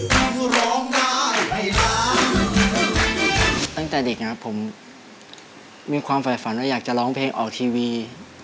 ร้องได้ให้ล้านตั้งแต่เด็กนะครับผมมีความฝ่ายฝันว่าอยากจะร้องเพลงออกทีวี